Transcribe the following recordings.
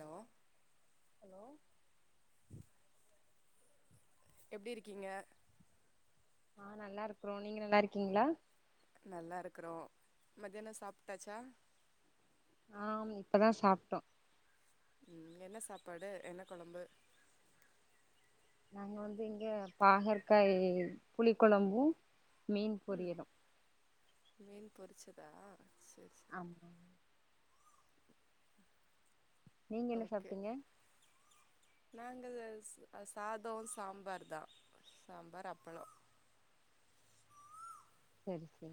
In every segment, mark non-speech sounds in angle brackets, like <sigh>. Hello hello <inaudible> எப்டி இருக்கீங்க ஆ நல்லா இருக்றோ நீங்க நல்லா இருக்கீங்ளா நல்லாருக்குறோ மதியானொ சாப்ட்டாச்சா ஆம் இப்பதா சாப்ட்டோ ம் என்ன சாப்பாடு என்ன கொழம்பு நாங்க வந்து இங்க பாகற்காய் புளி கொழம்பு மீன் ம் பொரியளு மீன் பொறிச்சதா செர் செர் ஆமாங் நீங்க என்ன ஓகே சாப்ட்டிங்க நாங்க சா சாதொ சாம்பார் தா சாம்பார் அப்பளொ சரி சரி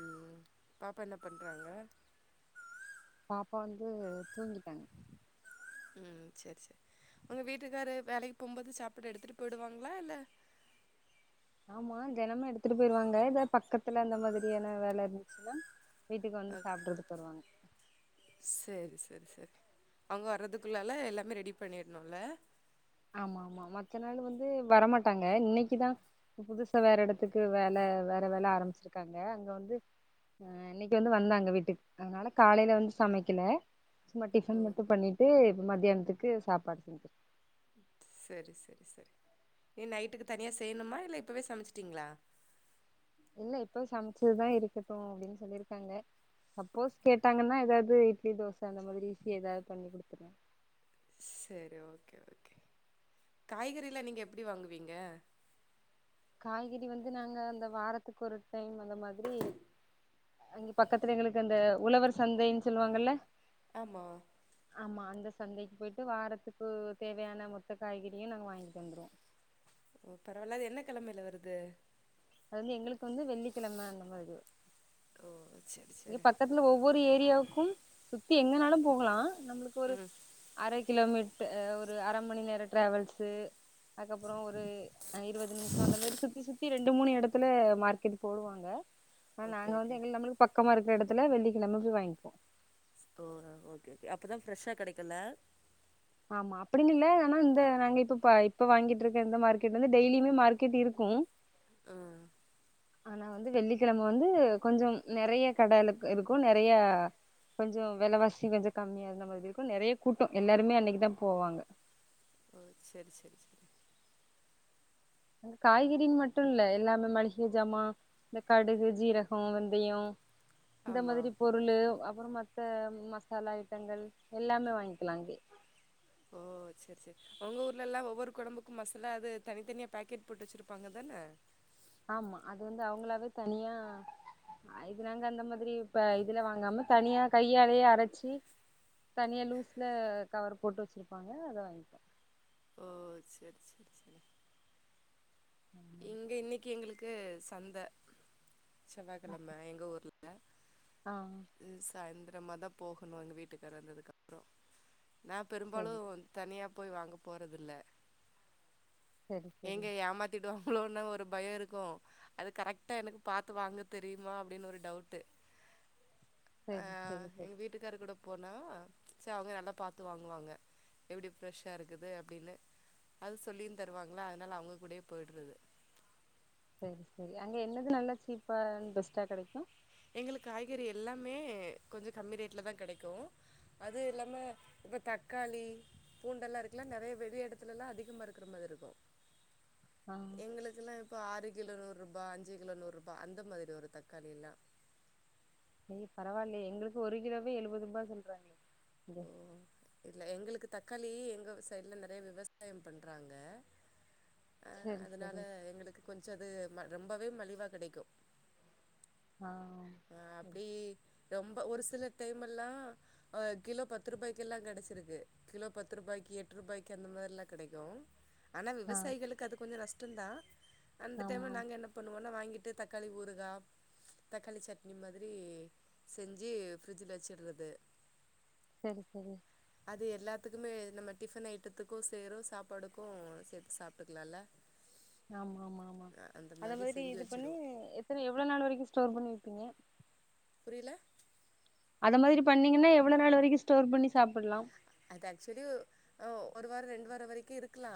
ம் பாப்பா என்ன பண்றாங்க பாப்பா வந்து தூங்கிட்டாங்க ம் சரி சரி உங்க வீட்டுக்காரு வேலைக்கு போம்போது சாப்படு எடுத்துட்டு போய்டுவாங்களா இல்ல ஆமா தெனமு எடுத்துட்டு போயிருவாங்க ஏ பக்கத்துல அந்த மாதிரியான வேல இருந்துச்சுன்னா வீட்டுக்கு வந்து ஓகே சாப்பிட்றதுக்கு வருவாங்க செரி செரி செரி அவுங்க வர்றதுக்குள்ளால எல்லாமே ரெடி பண்ணிட்ணுல ஆமா ஆமா மத்த நாள் வந்து வரமாட்டாங்க இன்னைக்கிதா புதுசா வேற எடத்துக்கு வேல வேற வேல ஆரம்பிச்சிருக்காங்க அங்க வந்து ஆ இன்னைக்கு வந்து வந்தாங்க வீட்டுக்கு அதனால காலையில வந்து சமைக்கல சும்மா டிஃபன் ஓ மட்டு பண்ணிட்டு இப்ப மத்தியானத்துக்கு சாப்பாடு செஞ்சே செரி செரி செரி இனி நைட்டுக்கு தனியா செய்யணுமா இல்ல இப்பவே சமச்சிட்டிங்களா இல்ல இப்ப சமச்சதுதா இருக்கட்டு அப்டின்னு சொல்லிருக்காங்க சப்போஸ் கேட்டாங்கன்னா எதாவ்து இட்லி தோச அந்த மாதிரி ஈசியா எதாவ்து பண்ணி குடுத்துருவே செரி ஓகே ஓகே காய்கறிலா நீங்க எப்புடி வாங்குவீங்க காய்கறி வந்து நாங்க அந்த வாரத்துக்கு ஒரு டைம் அந்த மாதிரி அங்கே பக்கத்துல எங்களுக்கு அந்த உழவர் சந்தைன் சொல்லுவாங்கல்ல ஆமா ஆமா அந்த சந்தைக்கி போய்ட்டு வாரத்துக்கு தேவையான மொத்த காய்கறியு நாங்க வாங்கிட்டு வந்துருவோ ஓ பரவால்ல அது என்ன கெழமையில வருது அது வந்து எங்களுக்கு வந்து வெள்ளிக்கெழம அந்த மாதிரி வரு ஓ செரி செரி இதுல ஒவ்வொரு ஏரியாவுக்கும் சுத்தி எங்கனாலும் போகலா நம்பளுக்கு ஒரு ம் அரை கிலோமீட் ஒரு அர மணி நேர டிராவல்ஸு அதுக்கப்புறோ ஒரு இருவது நிமிஷொ அந்த மாரி சுத்தி சுத்தி ரெண்டு மூணு எடத் துல மார்க்கெட் போடுவாங்க ஆன ஓகே நாங்க ஓகே வந்து எங்க நம்மளுக் பக்கமா இருக்கிற எடத்துல வெள்ளி கெழம போய் வாங்கிப்போ ஓ அ ஓகே ஓகே அப்பதா ஃப்ரெஷா கெடைக்குல்ல ஆமா அப்படின் இல்ல ஆனா இந்த நாங்க இப்ப இப்ப வாங்கிட்டு இருக்க இந்த மார்கெட் வந்து டெய்லியுமே மார்கெட் இருக்கு ஆ ஆனா வந்து வெள்ளிக்கெழம வந்து கொஞ்சம் நெறைய கட இருக்கு நெறையா கொஞ்ச வெலவாசி கொஞ்ச கம்மிய இருந்த மாதிரி இருக்கு நெறைய கூட்ட எல்லாருமே அன்னைக்குதா போவாங்க ஓ செர் செரி செரி காய்கறின் மட்டு இல்ல எல்லாமே மளிகை ஜாமா இந்த கடுகு சிரக வெந்தய இந்த ஆமா மாதிரி பொருளு அப்புறம் மத்த மசாலா ஐட்டங்கள் எல்லாமே வாங்க்கலா அங்கயே ஓ செரி செரி ஒங்க ஊர்லல்லா ஒவ்வொரு கொழம்புக்கு மசாலா அது தனித்தனியா பேக்கெட் போட்டு வச்சுருப்பாங்க தானே ஆமா அது வந்து அவங்களாவே தனியா அ இது நாங்க அந்த மாதிரி இப்ப இதுல வாங்காம தனியா கையாலேயே அரைச்சி தனியா லூஸ்ல கவர் போட்டு வச்சிருப்பாங்க அத வாங்கிப்போ ஓ செரி செரி செரி <inaudible> எங்க இன்னைக்கு எங்களுக்கு சந்த செவ்வாகெழம எங்க ஊர்ல ஆ சாய்ந்ரமாதா போகணு எங்க வீட்டுக்காரர் வந்ததுக்கப்ற நா பெரும்பாலு செரி வந் தனியா போய் வாங்க போறதில்ல செரி செரி எங்க ஏமாத் திடு வாங்களோனு ஒரு பய இருக்கு அது கரெக்டா எனக்கு பாத்து வாங்க தெரியுமா அப்டின்னு ஒரு டவுட்டு ஆ செரி செரி செரி எங்க வீட்டுக்காரு கூட போனா சரி அவங்க நல்லா பாத்து வாங்குவாங்க எப்டி ஃப்ரெஷ்ஷா இருக்குது அப்டின்னு அது சொல்லியு தருவாங்களா அதனால அவங்க கூடே போயிடுறது சரி சரி அங்க என்னது நல்லா சீப்பா அண்ட் பெஸ்ட்டா கெடைக்கு எங்களுக்கு காய்கறி எல்லாமே கொஞ்ச கம்மி ரேட்டிலதா கெடைக்கு அது இல்லாம இப்ப தக்காளி பூண்டெல்லா இருக்குல்ல நெறைய வெளி எடத்துலல்லா அதிகமா இருக்கிற மாதிரி இருக்கு ஆ எங்களுக்குக்கெல்லா இப்போ ஆறு கிலோ நூருபா அஞ்சு கிலோ நூருபா அந்த மாதிரி வரு தக்காளி எல்லா ஏ பரவாயில்லையே எங்களுக்கு ஒரு கிலோவே எழுவதுருவா சொல்றாங்க இங்க இல்ல எங்களுக்கு தக்காளி எங்க சைடு்ல நெறையா விவசாய பண்றாங்க செரி அதனால செரி எங்களுக்கு கொஞ்ச அது ரொம்பவே மலிவா கிடைக்கு ஆ ஆ அப்டி ரொம்ப ஒரு சில டைமெல்லா கிலோ பத்து ரூபாய்க்கெல்லா கெடைச்சிருக்கு கிலோ பத்து ருபாய்க்கு எட்டு ருபாய்க்கு அந்த மாரில்லா கெடைக்கு ஆனா ஆமா விவசாயிகளுக்கு அது கொஞ்ச நஷ்டந்தா அந்த டைம்ல ஆமா நாங்க என்ன பண்ணுவோனா வாங்கிட்டு தக்காளி ஊறுகா தக்காளி சட் இனி மாதிரி செஞ்சு ஃபரிட்ஜில்ல வச்சுட்றது செரி செரி அது எல்லாத்துக்குமே நம்ம டிஃபன் ஐட்டத்துக்கு சேறு சாப்பாடுக்கு சேத்து சாப்ட்டுக்கலாம்ல ஆமா ஆமா ஆமா அத மாதிரி செஞ்சு இது பண்ணி வச்சுடுவோ எத்தன எவ்ளோ நாள் வரைக்கு ஸ்டோர் பண்ணி வைப்பீங்க புரில அத மாதிரி பண்ணிங்கன்னா எவ்ள நாள் வரைக்கு ஸ்டோர் பண்ணி சாப்பிட்லா அது ஆக்சுவலி அ ஒரு வாரம் ரெண்டு வார வரைக்கும் இருக்கலா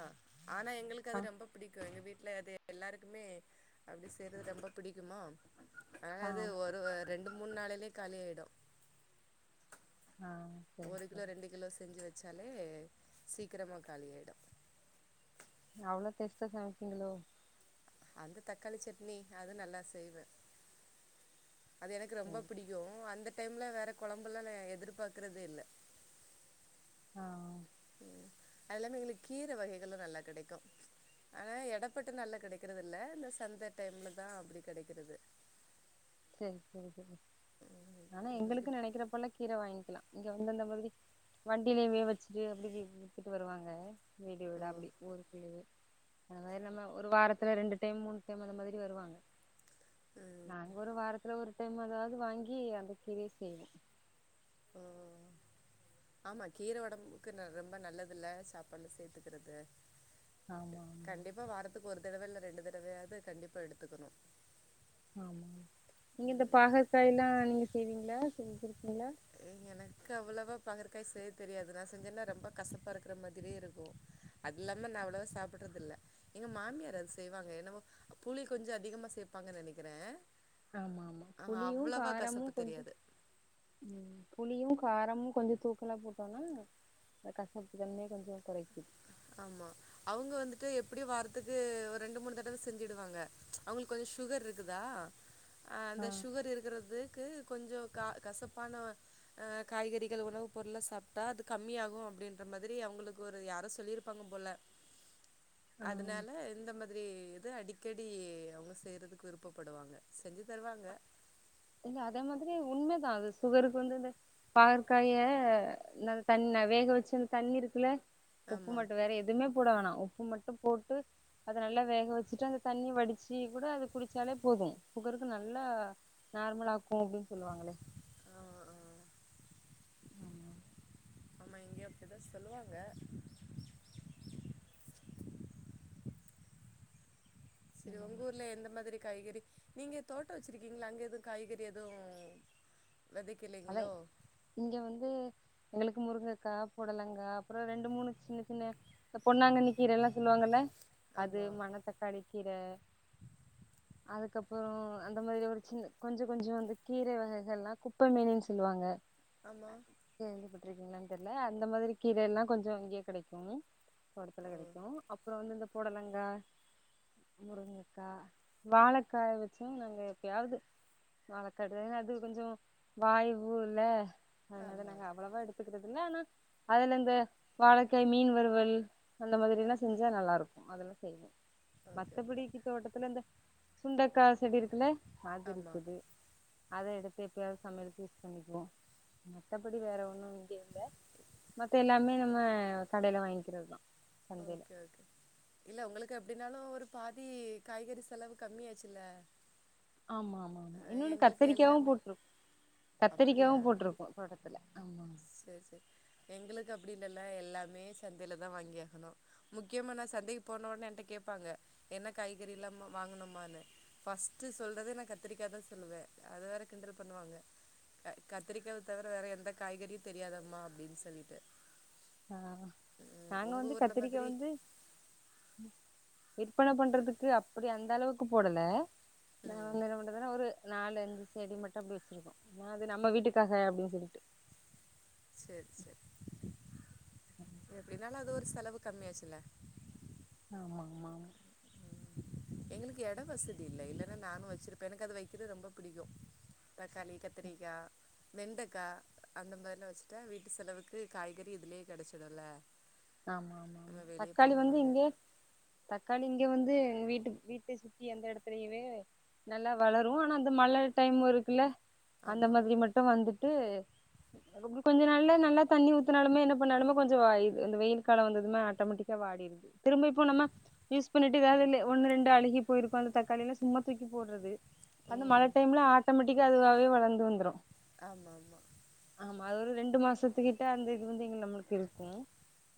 ஆனா எங்களுக்கு ஆ அது ரொம்ப புடிக்கும் எங்க வீட்ல அது எல்லாருக்குமே அப்டி செய்றது ரொம்ப பிடிக்குமா ஆ அதாவது ஒருவர் ரெண்டு மூணு நாளிலே காலி ஆய்டும் ஆ சரி ஒரு கிலோ சரி ரெண்டு கிலோ செஞ்சு வச்சாலே சீக்கிரமா காலி ஆய்டும் அவ்ளோ டேஸ்ட்டா சமைப்பிங்களோ அந்த தக்காளி சட்னி அதும் நல்லா செய்வ அது எனக்கு ரொம்ப சரி புடிக் கும் அந்த டைம்ல வேற குழம்புல்லாம் நா எதிர்பார்க்கறதே இல்ல ஆ ம் அது இல்லாம எங்களுக்கு கீர வகைகள்லா நல்லா கிடைக்கும். ஆனா எடப்பட்ட நாள்ல கிடைக்கறதில்ல இந்த சந்த டைம்ல தான் அப்டி கிடைக்கிறது. சேரி சேரி சேரி ஆனா இன்னைக்கு எங்களுக்கு நினைக்கிறப்பல்லா கீர வாங்கிக்கலாம் இங்க இந்தந்த பகுதி வண்டியிலே இப்டே வச்சுட்டு அப்டிஇப்டி வித்துட்டு வருவாங்க. வீடு வீட அப்டி ஊருக்குள்ளே அந்த மாரி நம்ம ஒரு வாரத்துல ரெண்டு டைம் மூணு டைம் அந்த மாதிரி வருவாங்க நாங்க ஒரு வாரத்துல ஒரு டைம் அதாவது வாங்கி அந்த கீரைய செய்வோம். அ அ ஆமா கீர உடம்புக்கு ரொம்ப நல்லது இல்ல சாப்பாடு சேர்த்துக்கிறது ஆமா ஆமா இப்ப வாரத்துக்கு ஒரு தடவ இல்லை ரெண்டு தடவையாவது கண்டிப்பா எடுத்துக்கணும். ஆமா நீங்க இந்த பாகக்காய் எல்லாம் நீங்க செய்வீங்களா செஞ்சிருக்கீங்களா எனக்கு அவ்ளோவா பகற்காய் செய்ய தெரியாது நான் செஞ்சேன்னா ரொம்ப கசப்பா இருக்கிற மாதிரியே இருக்கும். அது இல்லாம நான் அவ்ளோவா சாப்பிடறதுல்ல. எங்க மாமியார் அது செய்வாங்க என்னமோ புளி கொஞ்சம் அதிகமா சேப்பாங்கன்னு நினைக்கிறேன். ஆமா ஆமா ஆஹ், புளியும் அவ்வளவா கசப்பு காரமும் கொஞ்சோ தெரியாது ம் புளியும் காரமும் கொஞ்சோ தூக்கலா போட்டோம்னா அந்த கசப்பு தன்மைய கொஞ்சோ குறைக்குது ஆமா அவுங்க வந்துட்டு எப்டியும் வாரத்துக்கு ஒரு ரெண்டு மூணு தடவ செஞ்சுடுவாங்க. அவுங்களுக்கு கொஞ்சோ சுகர் இருக்குதா அந்த ஆ சுகர் இருக்கிறதுக்கு கொஞ்சோ க கசப்பான அ காய்கறிகள் உணவுப் பொருள்ளா சாப்ட்டா அது கம்மியாகும்.. அப்டின்ற மாதிரி அவங்களுக்கு ஒரு யாரோ சொல்லியிருப் ப்பாங்க போல ஆ அதனால இந்த மாதிரி எது அடிக்கடி அவுங்க செய்கிறதுக்கு விருப்பப்படுவாங்க செஞ்சு தருவாங்க. இல்ல அதே மாதிரி உண்மதான் அது சுகருக்கு வந்து இது பாகற்காய இந்த தண்ணி நான் வேக வச்சு அந்த தண்ணி இருக்குல, உப்பு ஆமா மட்டும் வேற எதுவுமே போட வோனா உப்பு மட்டும் போட்டு அத நல்லா வேக வச்சுட்டு அந்த தண்ணி வடிச்சு கூட அது குடிச்சாலே போதும் சுகருக்கு நல்லா நார்மலா ஆக்கும் அப்டின்னு சொல்லுவாங்களே ஆ ஆ உம் ஆமா இங்கயு அப்டிதா சொல்லுவாங்க செரி ம் உங்கூர்ல எந்த மாதிரி காய்கறி நீங்க தோட்டோ வெச்சுருக்கீங்களா அங்கே எதுவு காய்கறி எதுவு அதா விதைக்கலைங்களோ இங்க வந்து எங்களுக்கு முருங்கைக்கா புடலங்கா அப்புற ரெண்டு மூணு சின்ன சின்ன இந்த பொன்னாங்கண்ணி கீரை எல்லா சொல்லுவாங்கல்ல அது ஆமா மணத்தக்காளி கீரை அதுக்கப்புற அந்த மாதிரி ஒரு சின்ன கொஞ்ச கொஞ்ச வந்து கீரை வகைகள்லா கு குப்ப மேனின்னு சொல்லுவாங்க ஆமா கேள்ப்பட்டிருக்கீங்களான்னு தெர்ல அந்த மாதிரி கீரை எல்லாம் கொஞ்சோ அங்கேயே கிடைக்கும் தோட்டத்துல ஓ கிடைக்கும் அப்புறம் வந்து இந்த பொடலங்கா முருங்கக்கா வாழக்காய வச்சும் நாங்க எப்பயாது வாழக்கடுன்னு அது கொஞ்சோ வாய்வு இல்ல அதனால ஆமா நாங்க அவ்ளோவா எடுத் இருக்கறது இல்ல ஆனா அதுல இந்த வாழைக்கை மீன் வறுவல் அந்த மாதிரல்லா செஞ்சா நல்லாருக்கு அதெல்லா செய்வே ஓகே ஓகே மத்தபடிக்கு தோட்டத்துல இந்த சுண்டக்கா செடி இருக்குல்ல அது ஆமா இருக்குது அத எடுத்து எப்பயாவது சமையலுக்கு யூஸ் பண்ணிக்குவோ மத்தபடி வேற ஒண்ணு மத்த எல்லாமே நம்ம கடையில வாங்கிக்கிறதுதா சந்தையில ஓகே ஓகே இல்ல உங்களுக்கு எப்டின்னாலு ஒரு பாதி காய்கறி செலவு கம்மியாச்சுல்ல ஆமா ஆமா அஹ் இன்னொன்னு எங்களுக்கு கத்திரிக்காவும எல்லாமே போட்டிரு கத்திரிக்காவும் போட்டிருக்கு தோட்டத்துல ஆமா சேர் சேர் எங்களுக்கு அப்டி இல்லல்ல எல்லாமே சந்தையில தா வாங்கி ஆகணு முக்கியமா நா சந்தைக்கு போன உடனே என்ட்ட கேட்பாங்க என்ன காய்கறி எல்லா வாங்கனுமான்னு பஃஸ்ட்டு சொல்றதே நா கத்திரிக்காதா சொல்லுவே அது வேற கிண்டல் பண்ணுவாங்க கத்திரிக்காவ தவிர வேற எந்த காய்கறியு தெரியாதம்மா அப்டின்னு சொல்லிட்டு ஆ ம் நாங்க உங்க வந்து ஊர்ல கத்திரிக்கை மாதிரி வந்து விற்பனை பண்றதுக்கு அப்படி அந்த அளவுக்கு போடல ம் கிட்டதட்ட ஒரு நாலு அஞ்சு செடி மட்டும் அப்டி வச்சிருக்கோ அது நம்ம வீட்டுக்காக அப்டின்னு சொல்லிட்டு சேர் சேரி எப்படின்னாலு அது ஒரு செலவு கம்மியாச்சுல்ல ஆமா ஆமா ஆமா எங்களுக்கு இட வசதி இல்லை இல்லைன்னா நானு வச்சிருப்பே எனக்கு அது வைக்கிறது ரொம்ப பிடிக்கு தக்காளி கத்திரிக்கா வெண்டைக்காய் அந்த மாரிலா வச்சுட்ட வீட்டு செலவுக்கு காய்கறி இதுலயே கிடைச்சிடுல <inaudible> ஆமா ஆமா ஆமா தக்காளி வந்து இங்க தக்காளி இங்க வந்து வீட்டு வீட்ட சுத்தி எந்த இடத்துலயுமே நல்லா வளரு ஆனா அந்த மழை டைம் இருக்குல்ல அந்த ஆமாம் மாதிரி மட் வந்துட்டு கொஞ்ச நாள்ள நல்லா தண்ணி ஊத்தினாலுமே என்ன பண்ணாலுமே கொஞ்ச இந்த வெயில் காலம் வந்ததுமே ஆட்டோமேட்டிக்கா வாடிடுது திரும்ப இப்போ நம்ம யூஸ் பண்ணிட்டு எதாவது ஒன்னு ரெண்டு அழுகி போயிருக்கு அந்த தக்காளியில சும்மா தூக்கி போடுறது அந்த மழை ம் டைம்ல ஆட்டோமேட்டிக்கா அதுவாவே வளர்ந்து வந்துரு ஆமா ஆமா ஆமா அது ஒரு ரெண்டு மாசத்துக்கிட்ட அந்த இது வந்து எங்க நம்மளுக்கு இருக்கும்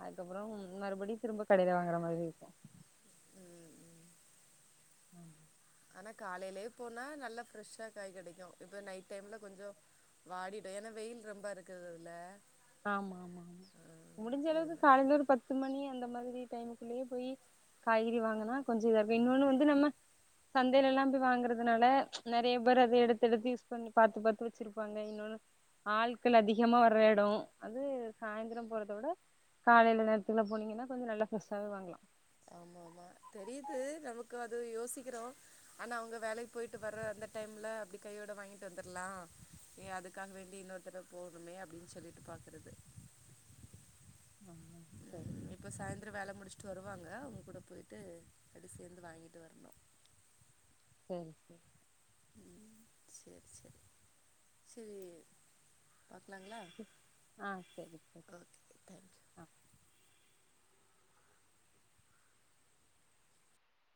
அதுக்கப்புறம் மறுபடியு திரும்ப கடையில வாங்குற மாதிரி இருக்கு ம் ம் உஹம் ஆனா காலையிலே போனா நல்லா ஃப்ரெஷ்ஷா காய் கிடைக்கும் இப்ப நைட் டைம்ல கொஞ்ச வாடிடு ஏன்னா வெயில் ரொம்ப இருக்குதுல்ல ஆமா ஆமா ஆமா ஆ, முடிஞ்ச அளவுக்கு இருந்தா காலந்த ஒரு பத்து பத்து மணி அந்த மாதிரி டைமுக்குள்ளேயே போய் காய்கறி வாங்கனா கொஞ்சம் இதா இருக்கும் இன்னொன்னு வந்து நம்ம சந்தையில எல்லா போய் வாங்குறதுனால நெறைய பேர் அத எடுத்து எடுத்து யூஸ் பண்ணி பாத்து பாத்து வச்சிருப்பாங்க இன்னொன்னு ஆள்கள் அதிகமா வர்ற இடம் அது சாயந்திரம் போறத விட காலையில நேரத்துக்குள்ள போனீங்கன்னா கொஞ்சம் நல்லா ஃப்ரெஷ்ஷாவே வாங்கலாம் ஆமா ஆமா தெரியுது நமக்கு அது யோசிக்கிறோ ஆனா அவுங்க வேலைக்கு போயிட்டு வர்ற அந்த டைம்ல அப்படி கையோட வாங்கிட்டு வந்துரலாம் ஏ அதுக்காக வேண்டி இன்னொருத் தர போகணுமே அப்படின் சொல்லிட்டு பாக்குறது ஆ சரி ம் இப்ப சாய்ந்தரம் வேல முடிச்சுட்டு வருவாங்க அவுங்க கூட போய்டடு அப்படி சேர்ந்து வாங்கிட்டு வரணும் செரி செரி ம் செரி செரி சேரி பாக்கலாங்களா ஆ சரி சரி ஓகே தேங்க் யூ ஆ